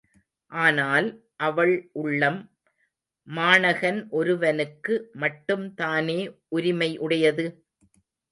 ஆனால், அவள் உள்ளம் மாணகன் ஒருவனுக்கு மட்டும் தானே உரிமை உடையது?